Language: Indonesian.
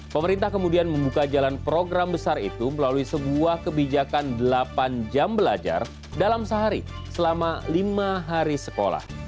pemerintah kemudian membuka jalan program besar itu melalui sebuah kebijakan delapan jam belajar dalam sehari selama lima hari sekolah